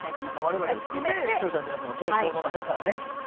我々を含めて視聴者の皆さんの投稿の中から。